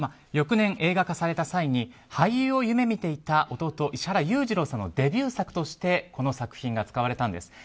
翌年、映画化された際に俳優を夢見ていた弟・石原裕次郎さんのデビュー作としてこの作品が使われました。